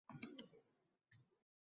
Hafta suratlari